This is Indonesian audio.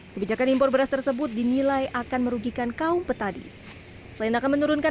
kebijakan impor beras tersebut dinilai akan merugikan kaum petani selain akan menurunkan